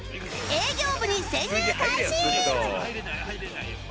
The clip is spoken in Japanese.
営業部に潜入開始！